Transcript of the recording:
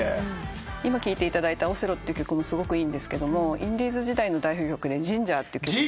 今聴いていただいた『オセロ』って曲もすごくいいんですけどインディーズ時代の代表曲で『Ｇｉｎｇｅｒ』って曲が。